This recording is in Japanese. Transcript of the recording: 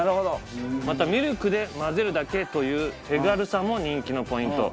またミルクで混ぜるだけという手軽さも人気のポイント。